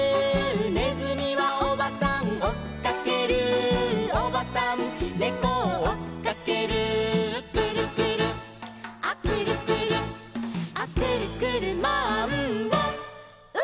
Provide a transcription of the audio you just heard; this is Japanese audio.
「ねずみはおばさんおっかける」「おばさんねこをおっかける」「くるくるアくるくるア」「くるくるマンボウ！」